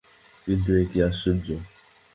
কিন্তু এ কী আশ্চর্য।